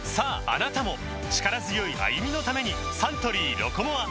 あなたも力強い歩みのためにサントリー「ロコモア」